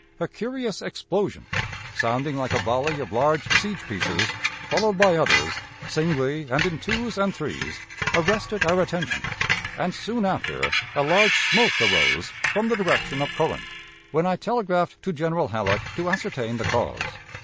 a curious explosion, sounding like a volley of large siege pieces, followed by others, singly, and in twos and threes, arrested our attention, and soon after a large smoke arose from the direction of Corinth, when I telegraphed to General Halleck to ascertain the cause.